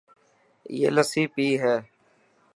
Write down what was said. ائي لسي پئي هي.